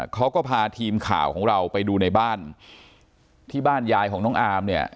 เขาก็พาทีมข่าวของเราไปดูในบ้านที่บ้านยายของน้องอามเนี่ย